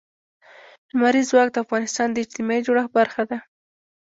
لمریز ځواک د افغانستان د اجتماعي جوړښت برخه ده.